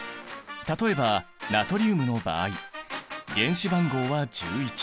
例えばナトリウムの場合原子番号は１１。